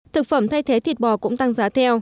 thực phẩm thay thế thịt bò cũng tăng giá theo